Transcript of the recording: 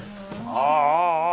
ああああああ。